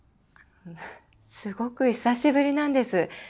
すごく久しぶりなんです。